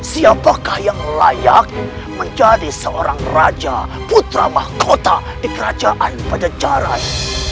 siapakah yang layak menjadi seorang raja putra mahkota di kerajaan pajajaran